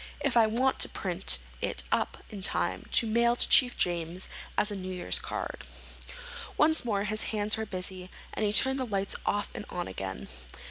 If I want to print it up in time to mail to Chief James as a New Year's card...." Once more his hands were busy, and he turned the lights off and on again.